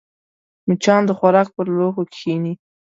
مچان د خوراک پر لوښو کښېني